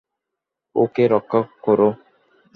ওকে রক্ষা কোরো।